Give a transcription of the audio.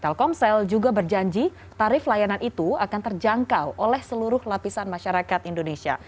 telkomsel juga berjanji tarif layanan itu akan terjangkau oleh seluruh lapisan masyarakat indonesia